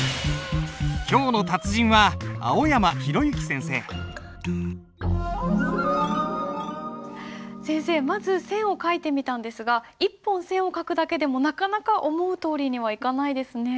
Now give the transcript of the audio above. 今日の達人は先生まず線を書いてみたんですが一本線を書くだけでもなかなか思うとおりにはいかないですね。